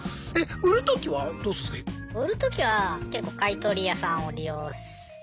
売るときは結構買い取り屋さんを利用したり。